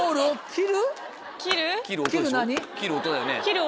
切る音だよね。